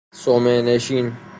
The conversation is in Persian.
صومعه نشین